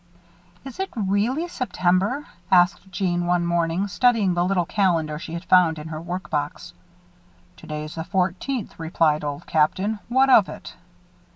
'""Is it really September?" asked Jeanne, one morning, studying the little calendar she had found in her work box. "Today's the fourteenth," replied Old Captain. "What of it?"